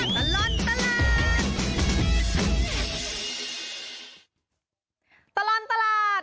ชั่วตะลอนตะหลาด